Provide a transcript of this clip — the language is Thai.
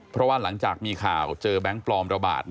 เพราะว่าหลังจากมีข่าวเจอแบงค์ปลอมระบาด